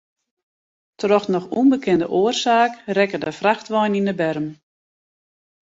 Troch noch ûnbekende oarsaak rekke de frachtwein yn de berm.